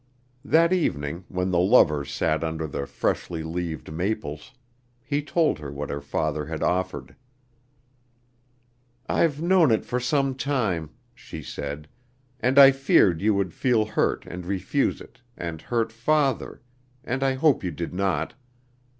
That evening when the lovers sat under the freshly leaved maples, he told her what her father had offered. "I've known it for some time," she said, "and I feared you would feel hurt and refuse it, and hurt father, and I hope you did not.